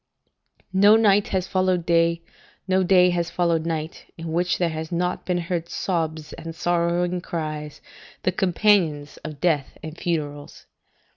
["No night has followed day, no day has followed night, in which there has not been heard sobs and sorrowing cries, the companions of death and funerals."